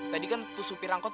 tadi kan supir angkot